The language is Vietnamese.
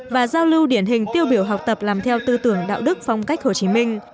và giao lưu điển hình tiêu biểu học tập làm theo tư tưởng đạo đức phong cách hồ chí minh